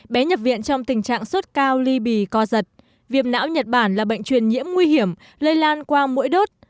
bé nhập viện trong tình trạng sốt cao ly bì co giật viêm não nhật bản là bệnh truyền nhiễm nguy hiểm lây lan qua mũi đốt